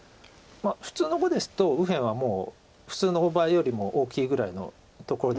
普通の碁ですと右辺はもう普通の大場よりも大きいぐらいのところ。